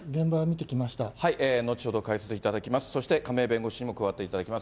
後ほど解説いただきます。